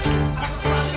kenapa si konduktor semua